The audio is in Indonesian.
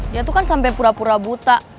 dia tuh kan sampe pura pura buta